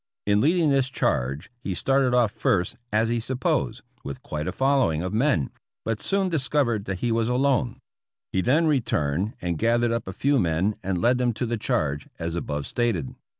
In leading this charge, he started off first, as he supposed, with quite a fol lowing of men, but soon discovered that he was alone. He then returned and gathered up a few men and led them to the charge, as above stated.